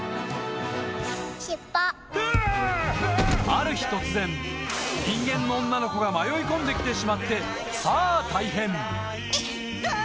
ある日突然人間の女の子が迷い込んで来てしまってさぁ大変ダァ！